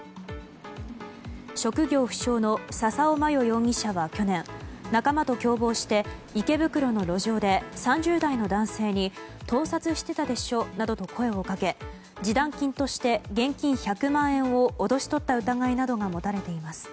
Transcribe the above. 職業不詳の笹尾真世容疑者は去年仲間と共謀して池袋の路上で３０代の男性に盗撮してたでしょなどと声をかけ示談金として現金１００万円を脅し取った疑いなどが持たれています。